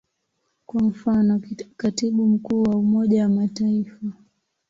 Kwa mfano, Katibu Mkuu wa Umoja wa Mataifa.